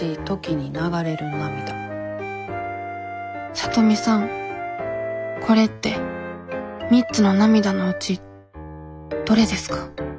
聡美さんこれって３つの涙のうちどれですか？